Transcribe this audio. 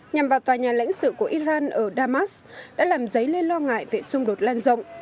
nhằm vào tòa nhà lãnh sự của iran ở damas đã làm dấy lên lo ngại về xung đột lan rộng